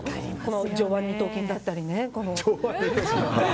上腕二頭筋だったりね。